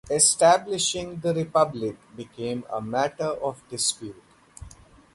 Establishing the republic became a matter of dispute.